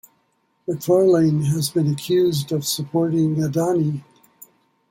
Macfarlane has been accused of supporting Adani.